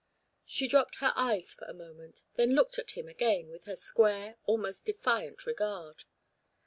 She dropped her eyes for a moment, then looked at him again with her square, almost defiant regard.